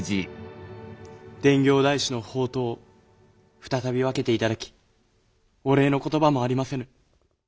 伝教大師の法灯を再び分けて頂きお礼の言葉もありませぬ。